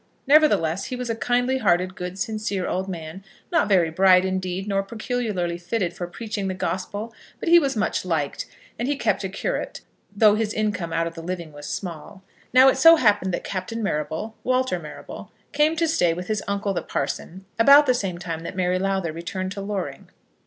Nevertheless, he was a kindly hearted, good, sincere old man, not very bright, indeed, nor peculiarly fitted for preaching the gospel, but he was much liked, and he kept a curate, though his income out of the living was small. Now it so happened that Captain Marrable, Walter Marrable, came to stay with his uncle the parson about the same time that Mary Lowther returned to Loring.